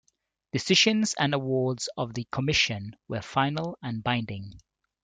Decisions and awards of the Commission were final and binding.